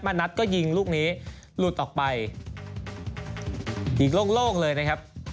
นัดก็ยิงลูกนี้หลุดออกไปยิงโล่งเลยนะครับ